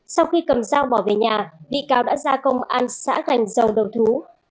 sau khi cầm dao bỏ về nhà bị cáo đã ra công an xã gành dầu đầu thú